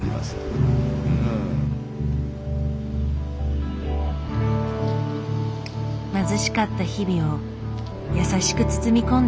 貧しかった日々を優しく包み込んでくれた沖縄。